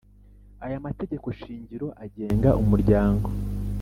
Aya mategeko shingiro agenga Umuryango